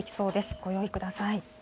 ご用意ください。